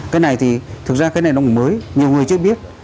cái này thì thực ra cái này nó mới nhiều người chưa biết